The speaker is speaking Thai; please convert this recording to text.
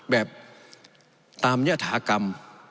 แบบตามยฐากรรม